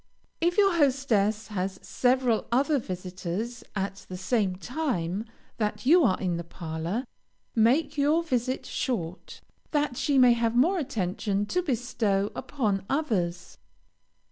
If your hostess has several other visitors at the same time that you are in her parlor, make your visit short, that she may have more attention to bestow upon others.